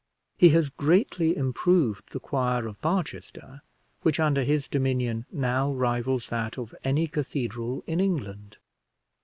He has greatly improved the choir of Barchester, which, under his dominion, now rivals that of any cathedral in England.